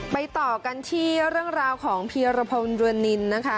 ไปต่อกันที่เรื่องราวของเพียรพลเรือนิน